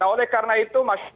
oleh karena itu